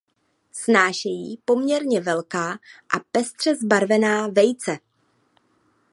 Snášejí poměrně velká a pestře zbarvená vejce.